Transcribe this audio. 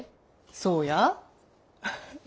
そうや。